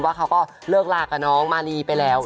เขาก็เลิกลากับน้องมารีไปแล้ว